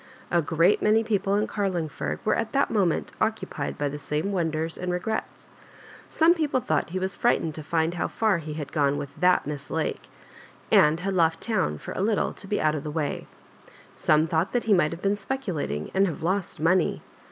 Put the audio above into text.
A great many people in Carlingford were at that moment occupied by the same wondere and regrets. Some people thought he was frightened to find bow far he had gone with that Miss J^ke, and had left town for a little to be out of the way; and some thought he must have been speculating, and have lost money.